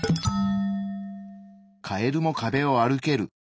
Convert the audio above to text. カエルも壁を歩ける。